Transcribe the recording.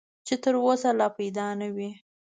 چې تر اوسه لا پیدا نه وي .